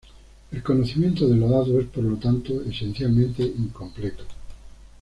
El conocimiento de lo dado es, por lo tanto, esencialmente incompleto.